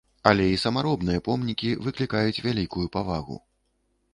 Але і самаробныя помнікі выклікаюць вялікую павагу.